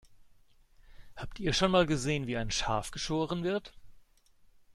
Habt ihr schon mal gesehen, wie ein Schaf geschoren wird?